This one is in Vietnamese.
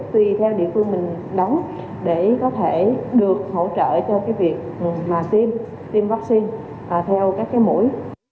tùy theo địa phương mình đóng để có thể được hỗ trợ cho việc tiêm vaccine theo các mũi